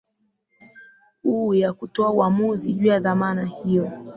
u ya kutoa uamuzi juu ya dhamana hiyo